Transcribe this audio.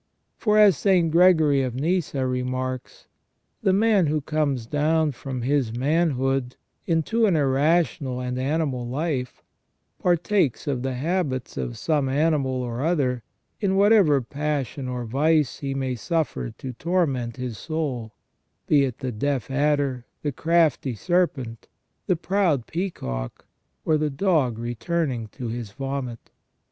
For, as St. Gregory of Nyssa remarks :" The man who comes down from his manhood into an irrational and animal life, partakes of the habits of some animal or other in whatever passion or vice he may suffer to torment his soul, be it the deaf adder, the crafty serpent, the proud peacock, or the dog returning to his vomit